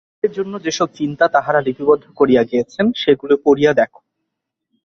আমাদের জন্য যে-সব চিন্তা তাঁহারা লিপিবদ্ধ করিয়া গিয়াছেন, সেগুলি পড়িয়া দেখ।